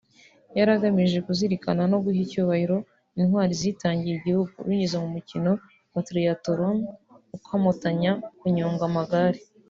yari igamije kuzirikana no guha icyubahiro Intwari zitangiye igihugu binyuze mu mukino wa Triathlon ukomatanya kunyonga amagare